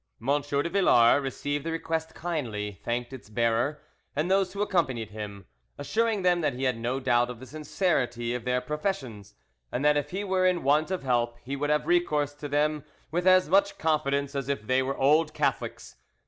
M. de Villars received the request kindly, thanked its bearer and those who accompanied him, assuring them that he had no doubt of the sincerity of their professions, and that if he were in want of help he would have recourse to them with as much confidence as if they were old Catholics.